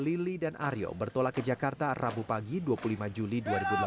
lili dan aryo bertolak ke jakarta rabu pagi dua puluh lima juli dua ribu delapan belas